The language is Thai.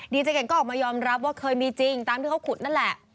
เจเก่งก็ออกมายอมรับว่าเคยมีจริงตามที่เขาขุดนั่นแหละ